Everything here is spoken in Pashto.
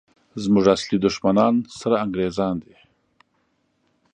زموږ اصلي دښمنان سره انګریزان دي!